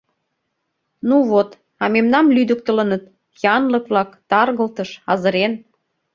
— Ну вот, а мемнам лӱдыктылыныт: янлык-влак, таргылтыш, азырен...